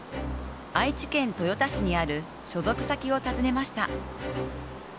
愛知県豊田市にある所属先を訪ねました。